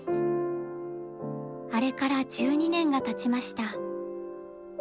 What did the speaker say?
あれから１２年がたちました。